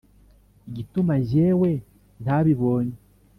igituma jyewe ntabibonye